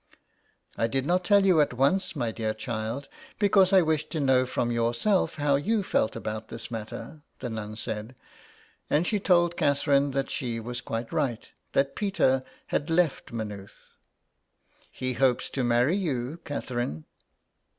" I did not tell you at once, my dear child, because I wished to know from yourself how you felt about this matter," the nun said; and she told Catherine that she was quite right, that Peter had left Maynooth. " He hopes to marry you, Catherine."